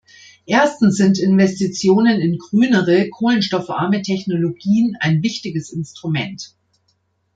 Erstens sind Investitionen in grünere, kohlenstoffarme Technologien ein wichtiges Instrument.